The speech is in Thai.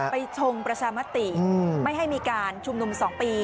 ชงประชามติไม่ให้มีการชุมนุม๒ปี